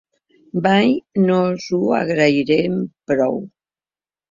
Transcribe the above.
Mai no els ho agrairem prou.